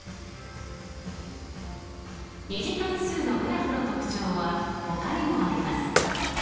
２次関数のグラフの特徴はほかにもあります。